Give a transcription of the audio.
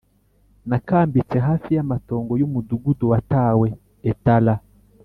nakambitse hafi y’amatongo y’umudugudu watawe. (etala)